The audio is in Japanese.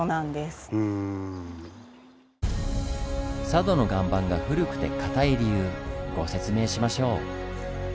佐渡の岩盤が古くてかたい理由ご説明しましょう！